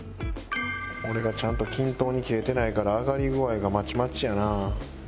これがちゃんと均等に切れてないから揚がり具合がまちまちやな。